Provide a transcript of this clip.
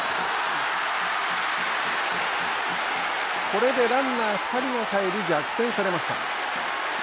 これでランナー２人が帰り逆転されました。